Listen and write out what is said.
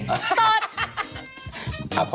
คำสอบความสุข